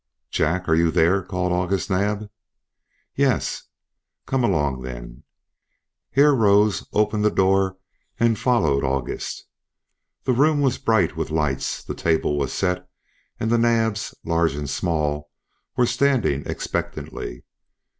"Jack, are you there?" called August Naab. "Yes." "Come along then." Hare rose, opened the door and followed August. The room was bright with lights; the table was set, and the Naabs, large and small, were standing expectantly.